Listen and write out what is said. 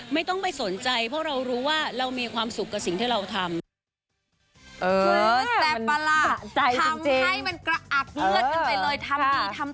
ไม่ต้องไปสนใจเพราะเรารู้ว่าเรามีความสุขกับสิ่งที่เราทำ